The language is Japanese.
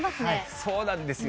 そうなんですよ。